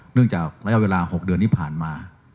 จากระยะเวลา๖เดือนที่ผ่านมา